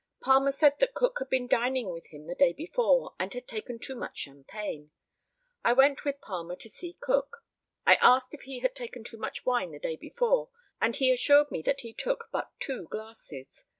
Palmer said that Cook had been dining with him the day before, and had taken too much champagne. I went with Palmer to see Cook. I asked if he had taken too much wine the day before, and he assured me that he took but two glasses.